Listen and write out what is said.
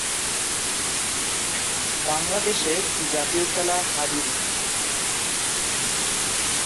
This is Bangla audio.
এই স্থান কৃষি কাজ করার জন্য উৎকৃষ্ট।